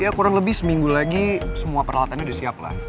ya kurang lebih seminggu lagi semua peralatannya sudah siap lah